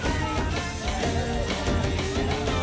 すごい！